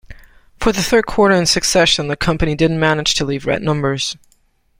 For the third quarter in succession, the company didn't manage to leave red numbers.